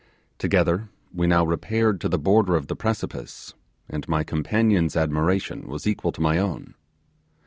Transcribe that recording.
Together we now repaired to the border of the precipice, and my companion's admiration was equal to my own.